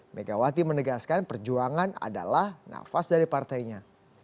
megawati menegaskan perjuangan adalah nafas dari partainya